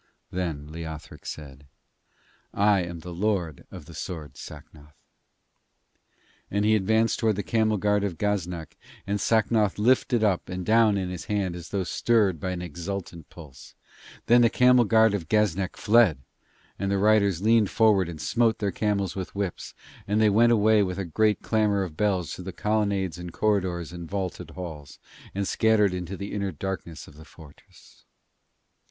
Then Leothric said: 'I am the Lord of the sword Sacnoth.' And he advanced towards the camel guard of Gaznak, and Sacnoth lifted up and down in his hand as though stirred by an exultant pulse. Then the camel guard of Gaznak fled, and the riders leaned forward and smote their camels with whips, and they went away with a great clamour of bells through colonnades and corridors and vaulted halls, and scattered into the inner darknesses of the fortress.